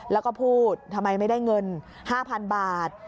แล้วก็พูดทำไมไม่ได้เงิน๕๐๐๐บาท